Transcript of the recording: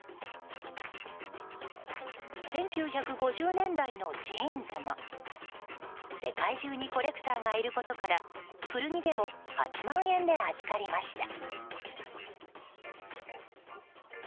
１９５０年代のジーンズも世界中にコレクターがいることから古着でも８万円で預かりました。